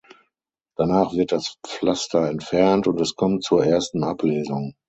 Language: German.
Danach wird das Pflaster entfernt und es kommt zur ersten Ablesung.